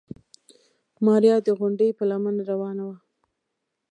ماريا د غونډۍ په لمنه روانه وه.